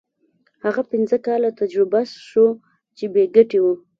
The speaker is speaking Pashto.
هغه پنځه کاله تجربه شو چې بې ګټې وو.